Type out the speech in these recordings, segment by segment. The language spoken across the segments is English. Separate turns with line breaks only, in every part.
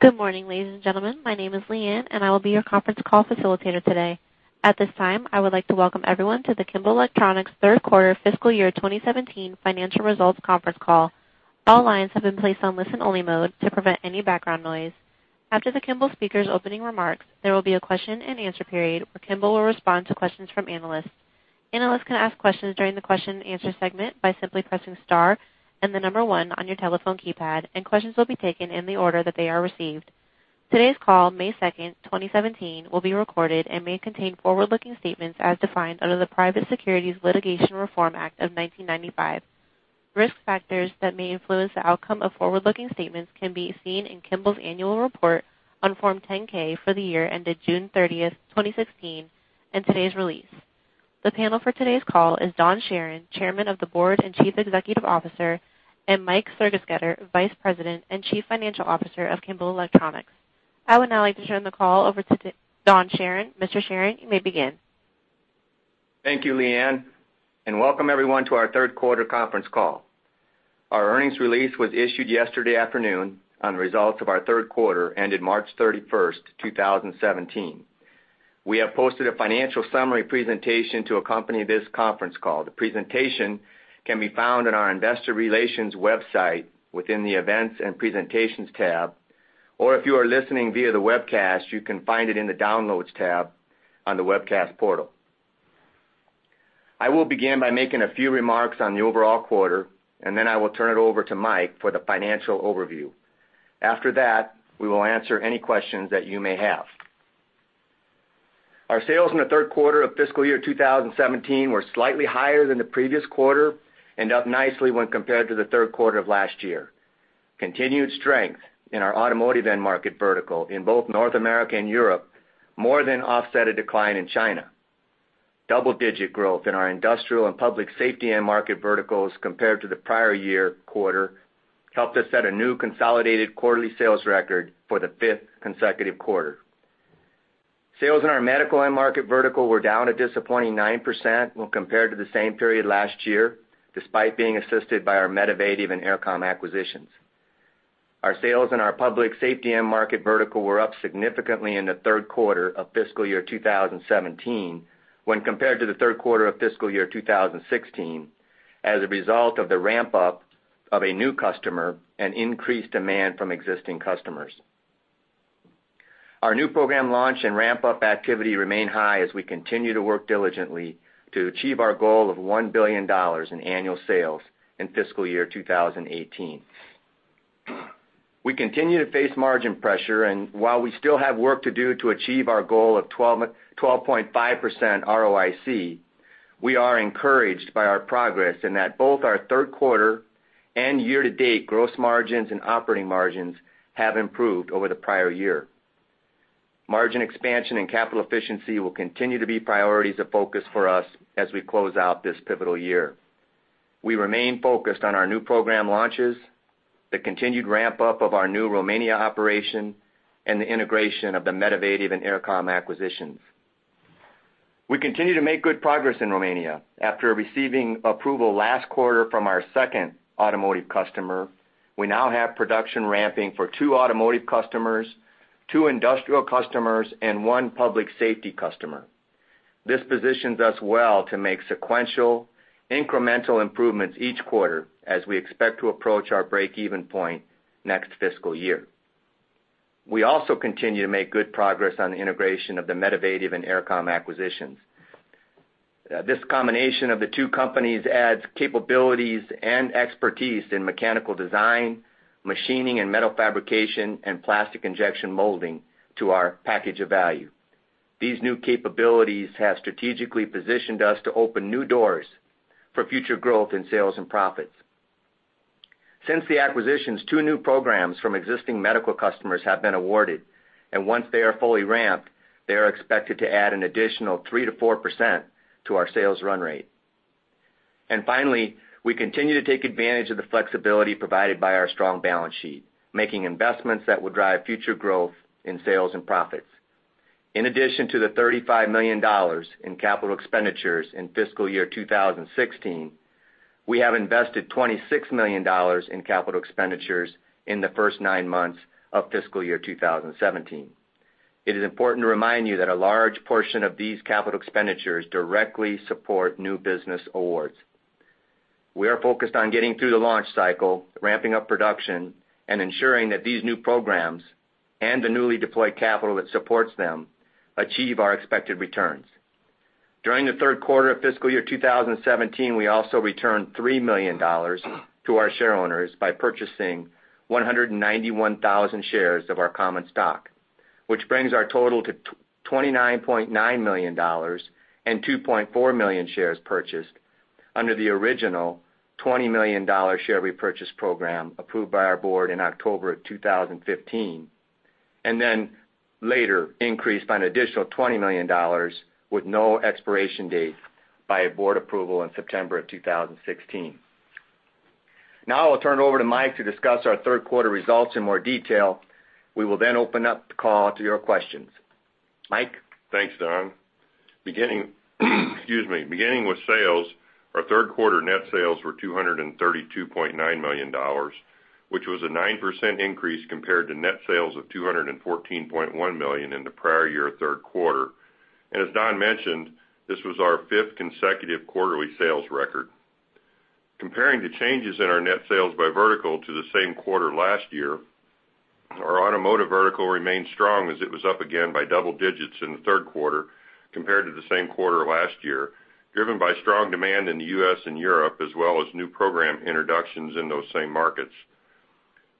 Good morning, ladies and gentlemen. My name is Leanne, I will be your conference call facilitator today. At this time, I would like to welcome everyone to the Kimball Electronics third quarter fiscal year 2017 financial results conference call. All lines have been placed on listen-only mode to prevent any background noise. After the Kimball speakers' opening remarks, there will be a question and answer period where Kimball will respond to questions from analysts. Analysts can ask questions during the question and answer segment by simply pressing star 1 on your telephone keypad, questions will be taken in the order that they are received. Today's call, May 2nd, 2017, will be recorded and may contain forward-looking statements as defined under the Private Securities Litigation Reform Act of 1995. Risk factors that may influence the outcome of forward-looking statements can be seen in Kimball's annual report on Form 10-K for the year ended June 30th, 2016, today's release. The panel for today's call is Don Charron, Chairman of the Board and Chief Executive Officer, Mike Sergesketter, Vice President and Chief Financial Officer of Kimball Electronics. I would now like to turn the call over to Don Charron. Mr. Charron, you may begin.
Thank you, Leanne, welcome everyone to our third quarter conference call. Our earnings release was issued yesterday afternoon on the results of our third quarter ended March 31st, 2017. We have posted a financial summary presentation to accompany this conference call. The presentation can be found on our investor relations website within the Events and Presentations tab, if you are listening via the webcast, you can find it in the Downloads tab on the webcast portal. I will begin by making a few remarks on the overall quarter, I will turn it over to Mike for the financial overview. After that, we will answer any questions that you may have. Our sales in the third quarter of fiscal year 2017 were slightly higher than the previous quarter up nicely when compared to the third quarter of last year. Continued strength in our automotive end market vertical in both North America and Europe more than offset a decline in China. Double-digit growth in our industrial and public safety end market verticals compared to the prior year quarter helped us set a new consolidated quarterly sales record for the fifth consecutive quarter. Sales in our medical end market vertical were down a disappointing 9% when compared to the same period last year, despite being assisted by our Medivative and Aircom acquisitions. Our sales in our public safety end market vertical were up significantly in the third quarter of fiscal year 2017 when compared to the third quarter of fiscal year 2016, as a result of the ramp-up of a new customer and increased demand from existing customers. Our new program launch and ramp-up activity remain high as we continue to work diligently to achieve our goal of $1 billion in annual sales in fiscal year 2018. We continue to face margin pressure, and while we still have work to do to achieve our goal of 12.5% ROIC, we are encouraged by our progress in that both our third quarter and year-to-date gross margins and operating margins have improved over the prior year. Margin expansion and capital efficiency will continue to be priorities of focus for us as we close out this pivotal year. We remain focused on our new program launches, the continued ramp-up of our new Romania operation, and the integration of the Medivative and Aircom acquisitions. We continue to make good progress in Romania. After receiving approval last quarter from our second automotive customer, we now have production ramping for two automotive customers, two industrial customers, and one public safety customer. This positions us well to make sequential, incremental improvements each quarter as we expect to approach our break-even point next fiscal year. We also continue to make good progress on the integration of the Medivative and Aircom acquisitions. This combination of the two companies adds capabilities and expertise in mechanical design, machining and metal fabrication, and plastic injection molding to our package of value. These new capabilities have strategically positioned us to open new doors for future growth in sales and profits. Since the acquisitions, two new programs from existing medical customers have been awarded, and once they are fully ramped, they are expected to add an additional 3%-4% to our sales run rate. Finally, we continue to take advantage of the flexibility provided by our strong balance sheet, making investments that will drive future growth in sales and profits. In addition to the $35 million in capital expenditures in fiscal year 2016, we have invested $26 million in capital expenditures in the first nine months of fiscal year 2017. It is important to remind you that a large portion of these capital expenditures directly support new business awards. We are focused on getting through the launch cycle, ramping up production, and ensuring that these new programs and the newly deployed capital that supports them achieve our expected returns. During the third quarter of fiscal year 2017, we also returned $3 million to our shareowners by purchasing 191,000 shares of our common stock, which brings our total to $29.9 million and 2.4 million shares purchased under the original $20 million share repurchase program approved by our board in October of 2015, later increased by an additional $20 million with no expiration date by a board approval in September of 2016. I'll turn it over to Mike to discuss our third quarter results in more detail. We will open up the call to your questions. Mike?
Thanks, Don Beginning with sales, our third quarter net sales were $232.9 million, which was a 9% increase compared to net sales of $214.1 million in the prior year third quarter. As Don mentioned, this was our fifth consecutive quarterly sales record. Comparing the changes in our net sales by vertical to the same quarter last year, our automotive vertical remained strong as it was up again by double digits in the third quarter compared to the same quarter last year, driven by strong demand in the U.S. and Europe, as well as new program introductions in those same markets.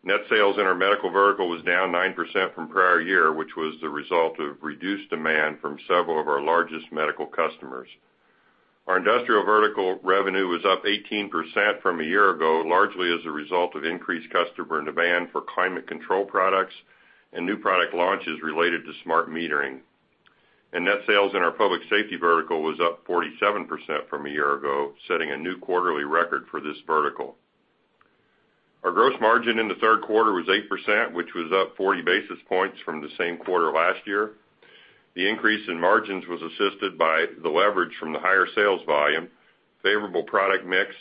Net sales in our medical vertical was down 9% from prior year, which was the result of reduced demand from several of our largest medical customers. Our industrial vertical revenue was up 18% from a year ago, largely as a result of increased customer demand for climate control products and new product launches related to smart metering. Net sales in our public safety vertical was up 47% from a year ago, setting a new quarterly record for this vertical. Our gross margin in the third quarter was 8%, which was up 40 basis points from the same quarter last year. The increase in margins was assisted by the leverage from the higher sales volume, favorable product mix,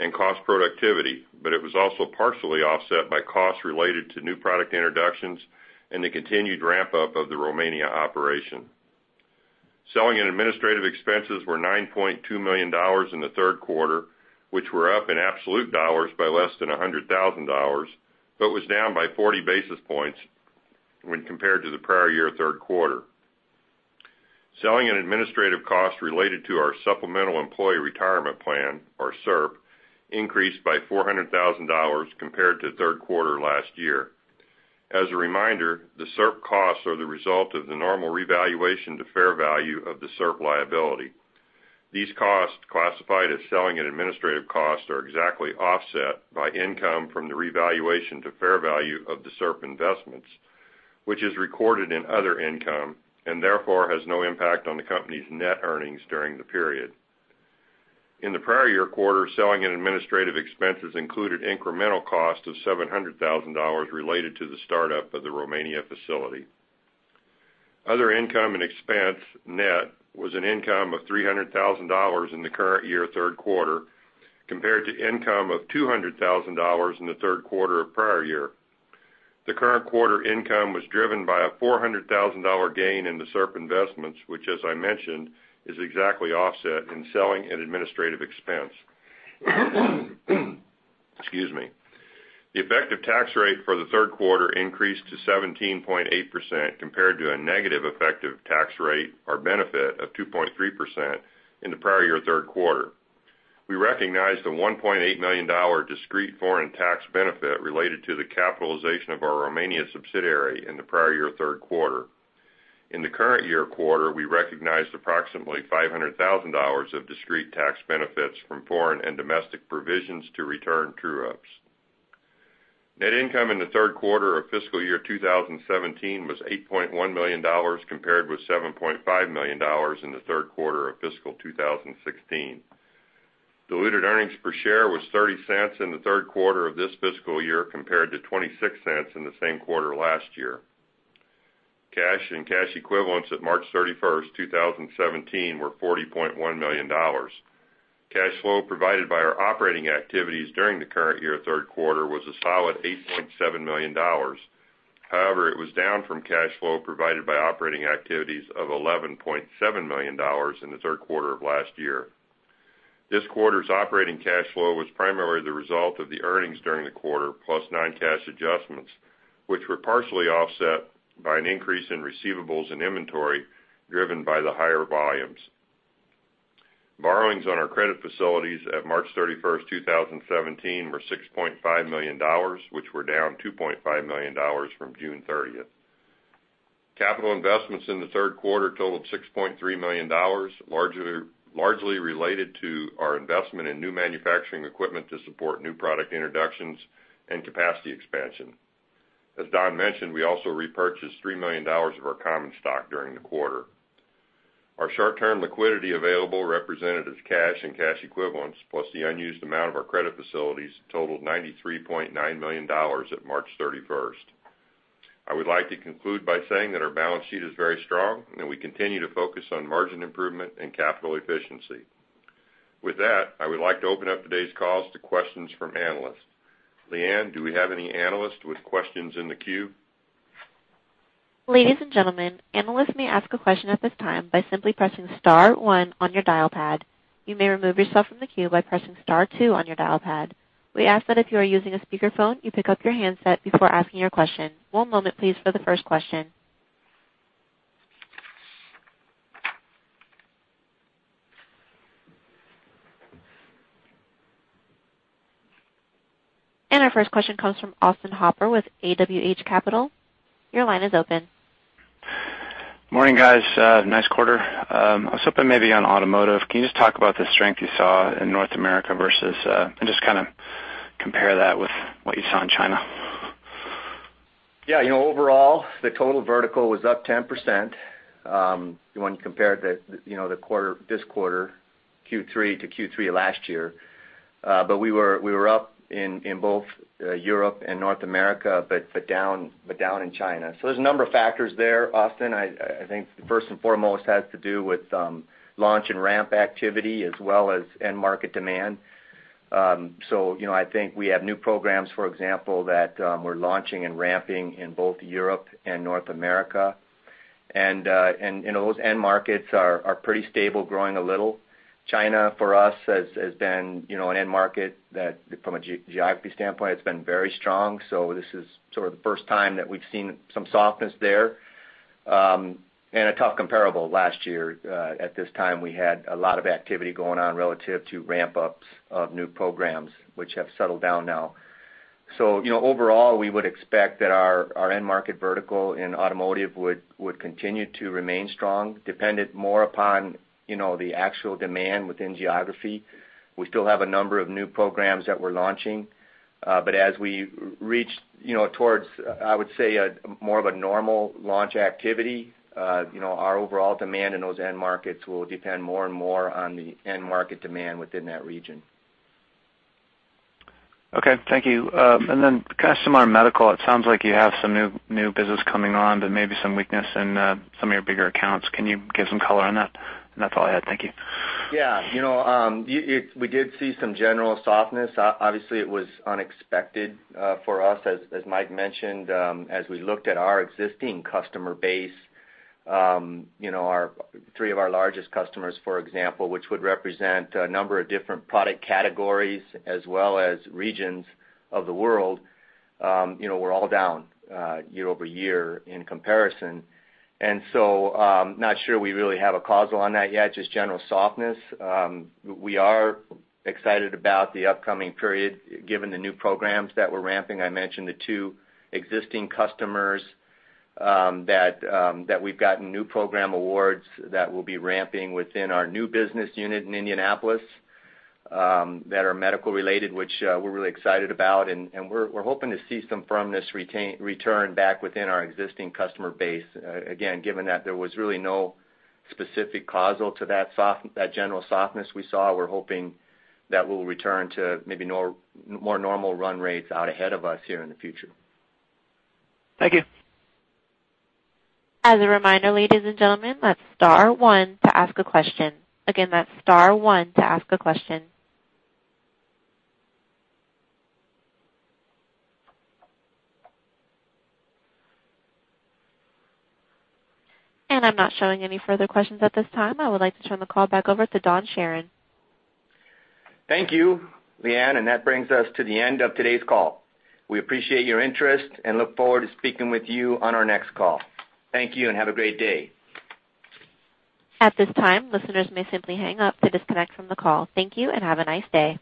and cost productivity, but it was also partially offset by costs related to new product introductions and the continued ramp-up of the Romania operation. Selling and administrative expenses were $9.2 million in the third quarter, which were up in absolute dollars by less than $100,000, but was down by 40 basis points when compared to the prior year third quarter. Selling and administrative costs related to our supplemental employee retirement plan, or SERP, increased by $400,000 compared to the third quarter last year. As a reminder, the SERP costs are the result of the normal revaluation to fair value of the SERP liability. These costs, classified as selling and administrative costs, are exactly offset by income from the revaluation to fair value of the SERP investments, which is recorded in other income and therefore has no impact on the company's net earnings during the period. In the prior year quarter, selling and administrative expenses included incremental cost of $700,000 related to the startup of the Romania facility. Other income and expense net was an income of $300,000 in the current year third quarter, compared to income of $200,000 in the third quarter of prior year. The current quarter income was driven by a $400,000 gain in the SERP investments, which, as I mentioned, is exactly offset in selling and administrative expense. Excuse me. The effective tax rate for the third quarter increased to 17.8% compared to a negative effective tax rate or benefit of 2.3% in the prior year third quarter. We recognized a $1.8 million discrete foreign tax benefit related to the capitalization of our Romania subsidiary in the prior year third quarter. In the current year quarter, we recognized approximately $500,000 of discrete tax benefits from foreign and domestic return-to-provision true-ups. Net income in the third quarter of fiscal year 2017 was $8.1 million, compared with $7.5 million in the third quarter of fiscal 2016. Diluted earnings per share was $0.30 in the third quarter of this fiscal year, compared to $0.26 in the same quarter last year. Cash and cash equivalents at March 31st, 2017, were $40.1 million. Cash flow provided by our operating activities during the current year third quarter was a solid $8.7 million. It was down from cash flow provided by operating activities of $11.7 million in the third quarter of last year. This quarter's operating cash flow was primarily the result of the earnings during the quarter, plus non-cash adjustments, which were partially offset by an increase in receivables and inventory driven by the higher volumes. Borrowings on our credit facilities at March 31st, 2017, were $6.5 million, which were down $2.5 million from June 30th. Capital investments in the third quarter totaled $6.3 million, largely related to our investment in new manufacturing equipment to support new product introductions and capacity expansion. As Don mentioned, we also repurchased $3 million of our common stock during the quarter. Our short-term liquidity available, represented as cash and cash equivalents, plus the unused amount of our credit facilities totaled $93.9 million at March 31st. I would like to conclude by saying that our balance sheet is very strong and that we continue to focus on margin improvement and capital efficiency. With that, I would like to open up today's call to questions from analysts. Leanne, do we have any analysts with questions in the queue?
Ladies and gentlemen, analysts may ask a question at this time by simply pressing *1 on your dial pad. You may remove yourself from the queue by pressing *2 on your dial pad. We ask that if you are using a speakerphone, you pick up your handset before asking your question. One moment please for the first question. Our first question comes from Austin Hopper with AWH Capital. Your line is open.
Morning, guys. Nice quarter. I was hoping maybe on automotive. Can you just talk about the strength you saw in North America and just compare that with what you saw in China?
Yeah. Overall, the total vertical was up 10% when you compare this quarter Q3 to Q3 last year. We were up in both Europe and North America, but down in China. There's a number of factors there, Austin. I think first and foremost, has to do with launch and ramp activity as well as end market demand. I think we have new programs, for example, that we're launching and ramping in both Europe and North America. Those end markets are pretty stable, growing a little. China, for us, has been an end market that, from a geography standpoint, has been very strong. This is sort of the first time that we've seen some softness there. A tough comparable last year, at this time, we had a lot of activity going on relative to ramp-ups of new programs, which have settled down now. Overall, we would expect that our end market vertical in automotive would continue to remain strong, dependent more upon the actual demand within geography. We still have a number of new programs that we're launching. As we reach towards, I would say, more of a normal launch activity, our overall demand in those end markets will depend more and more on the end market demand within that region.
Okay. Thank you. Customer medical, it sounds like you have some new business coming on, but maybe some weakness in some of your bigger accounts. Can you give some color on that? That's all I had. Thank you.
Yeah. We did see some general softness. Obviously, it was unexpected for us, as Mike mentioned, as we looked at our existing customer base. Three of our largest customers, for example, which would represent a number of different product categories as well as regions of the world, were all down year-over-year in comparison. Not sure we really have a causal on that yet, just general softness. We are excited about the upcoming period, given the new programs that we're ramping. I mentioned the two existing customers that we've gotten new program awards that we'll be ramping within our new business unit in Indianapolis that are medical related, which we're really excited about. We're hoping to see some firmness return back within our existing customer base. Again, given that there was really no specific causal to that general softness we saw, we're hoping that we'll return to maybe more normal run rates out ahead of us here in the future.
Thank you.
As a reminder, ladies and gentlemen, that's star one to ask a question. Again, that's star one to ask a question. I'm not showing any further questions at this time. I would like to turn the call back over to Don Charron.
Thank you, Leanne. That brings us to the end of today's call. We appreciate your interest and look forward to speaking with you on our next call. Thank you. Have a great day.
At this time, listeners may simply hang up to disconnect from the call. Thank you. Have a nice day.